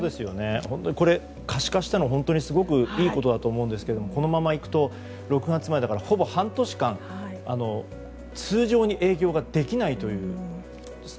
これを可視化したのは本当にいいことだと思いますがこのままいくと、６月までだからほぼ半年間、通常に営業ができないという。